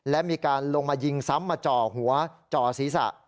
และมีการลงมายิงซ้ำมาจ่อหัวจ่อศีรษะ